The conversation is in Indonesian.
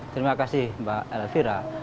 terima kasih mbak elvira